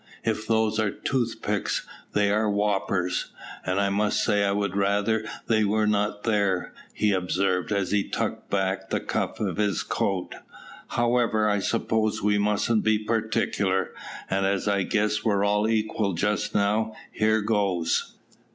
"If those are toothpicks they are whoppers, and I must say I would rather they were not there," he observed, as he tucked back the cuff of his coat. "However, I suppose we mustn't be particular, and as I guess we're all equal just now, here goes."